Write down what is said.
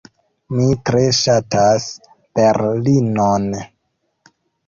Mi tre ŝatas Berlinon.